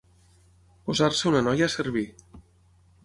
Posar-se una noia a servir.